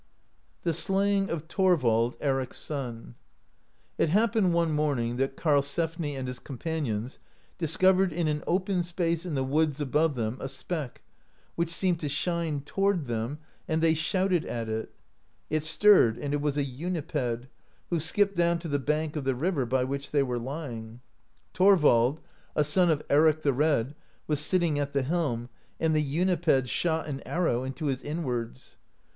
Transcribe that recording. THE SLAYING OF THORVALD, ERIc's SON. It happened one morning that Karlsefni and his com panions discovered in an open space in the woods above them, a speck, wiiich seemed to shine toward them, and they shouted at it; it stirred and it was a Uniped (56), who ski|[^)ed down to the bank of the river by which they were lying. Thorvald, a son of Eric the Red, was sitting at the helm, and the Uniped shot an arrow into his in wards.